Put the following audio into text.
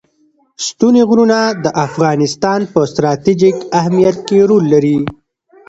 ستوني غرونه د افغانستان په ستراتیژیک اهمیت کې رول لري.